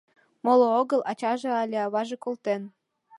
Моло огыл, ачаже але аваже колтен.